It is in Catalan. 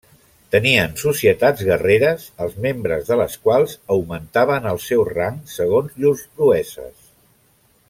Tenien societats guerreres els membres de les quals augmentaven el seu rang segons llurs proeses.